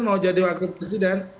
mau jadi wakil presiden